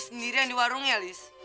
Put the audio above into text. sendirian di warung ya lis